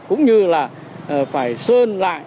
cũng như là phải sơn lại